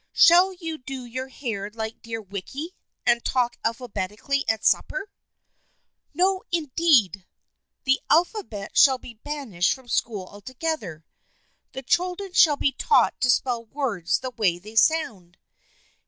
" Shall you do your hair like dear Wicky, and talk alphabetically at supper ?"" No, indeed ! The alphabet shall be banished from school altogether. The children shall be taught to spell words the way they sound.